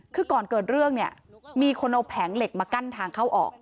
คือก่อนเกิดเรื่องเนี่ยมีคนเอาแผงเหล็กมากั้นทางเข้าออก